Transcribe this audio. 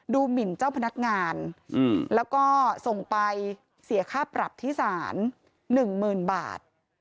หมินเจ้าพนักงานแล้วก็ส่งไปเสียค่าปรับที่ศาล๑๐๐๐บาท